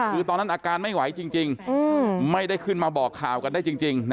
คือตอนนั้นอาการไม่ไหวจริงไม่ได้ขึ้นมาบอกข่าวกันได้จริง